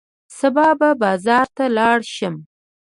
سبا به بازار ته لاړ شم.